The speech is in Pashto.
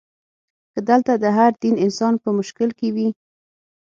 که دلته د هر دین انسان په مشکل کې وي.